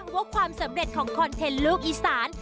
ว่าความสำเร็จของคอนเทนต์ลูกอีสาน